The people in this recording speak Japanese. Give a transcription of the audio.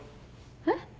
えっ？